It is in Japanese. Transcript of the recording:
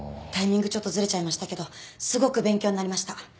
タイミングちょっとずれちゃいましたけどすごく勉強になりました。